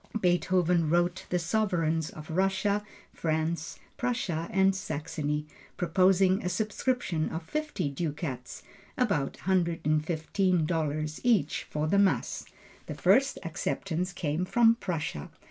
Beethoven wrote the sovereigns of Russia, France, Prussia and Saxony, proposing a subscription of fifty ducats, about $115 each, for the Mass. The first acceptance came from Prussia.